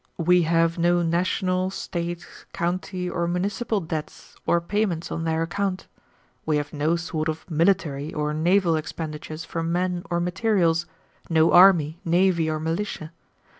We have no national, state, county, or municipal debts, or payments on their account. We have no sort of military or naval expenditures for men or materials, no army, navy, or militia.